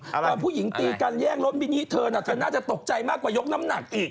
พอผู้หญิงตีกันแย่งรถมินิเธอน่ะเธอน่าจะตกใจมากกว่ายกน้ำหนักอีก